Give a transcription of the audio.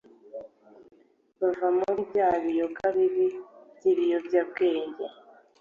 bave muri byabiyoga bibi by’ibiyobyabwenge”